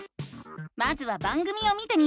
まずは番組を見てみよう！